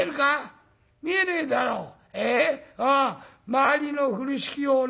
周りの風呂敷をね